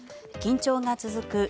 緊張が続く